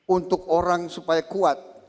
untuk orang supaya kuat